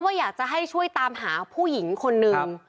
อยากจะให้ช่วยตามหาผู้หญิงคนนึง